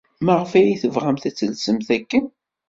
Maɣef ay tebɣamt ad telsemt akken?